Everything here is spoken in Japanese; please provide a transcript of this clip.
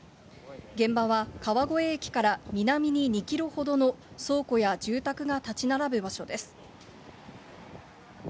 現場は川越駅から南に２キロほどの倉庫や住宅が建ち並ぶ場所です。